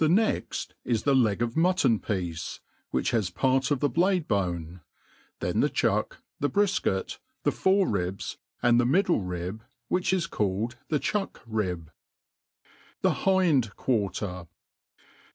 jt, next is the leg of matton /piecr, wbtch has part of the bl^e^ bone 3 'then thexhuek, the brifket, the fore ribS| and middle rib, which is called the cbuck ^rib. the Hind'^rttr.